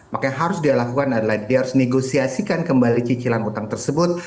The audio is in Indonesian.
maka yang harus dia lakukan adalah dia harus negosiasikan kembali cicilan utang tersebut